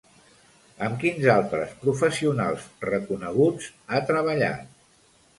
Amb quins altres professionals reconeguts ha treballat?